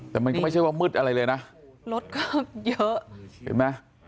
แต่มันก็ไม่ใช่ว่ามืดอะไรเลยนะรถก็เยอะเห็นไหม